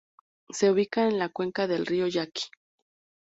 Se ubica en la cuenca del río Yaqui.